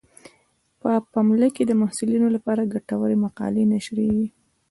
په پملا کې د محصلینو لپاره ګټورې مقالې نشریږي.